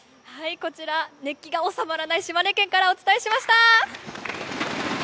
こちら熱気が収まらない島根県からお伝えしました。